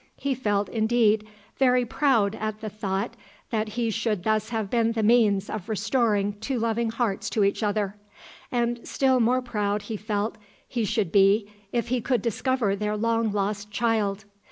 He felt, indeed, very proud at the thought that he should thus have been the means of restoring two loving hearts to each other, and still more proud he felt he should be if he could discover their long lost child.